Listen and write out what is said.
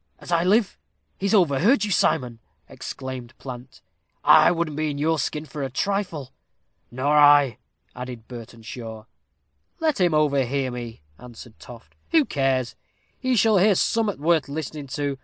"As I live, he's overheard you, Simon," exclaimed Plant. "I wouldn't be in your skin for a trifle." "Nor I," added Burtenshaw. "Let him overhear me," answered Toft; "who cares? he shall hear summat worth listening to.